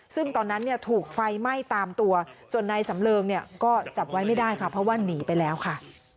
ซึ่งตอนนั้นเนี่ยถูกไฟไหม้ตามตัวส่วนนายสำเริงเนี่ยก็จับไว้ไม่ได้ค่ะเพราะว่าหนีไปแล้วค่ะ